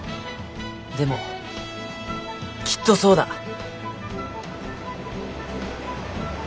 でもきっとそうだ。